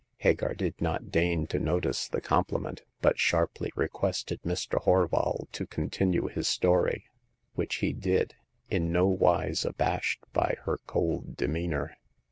Hagar did not deign to notice the compliment, but sharply requested Mr. Horval to continue his story, which he did, in no wise abashed by her cold demeanor.